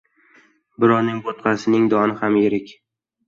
• Birovning bo‘tqasining doni ham yirik.